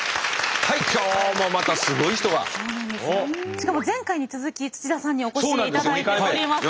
しかも前回に続き土田さんにお越しいただいております。